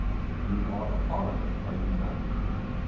"You are a foreigner, are you not?"